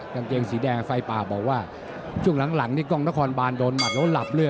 กางเกงสีแดงไฟป่าบอกว่าช่วงหลังนี่กล้องนครบานโดนหมัดแล้วหลับเลย